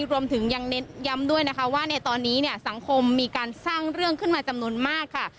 รวมถึงยังเน้นย้ำด้วยนะคะว่าในตอนนี้เนี่ยสังคมมีการสร้างเรื่องขึ้นมาจำนวนมากค่ะ